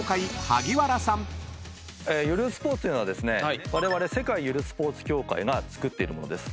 ゆるスポーツというのはわれわれ世界ゆるスポーツ協会がつくっているものです。